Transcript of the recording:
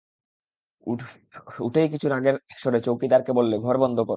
উঠেই কিছু রাগের স্বরে চৌকিদারকে বললে, ঘর বন্ধ করো।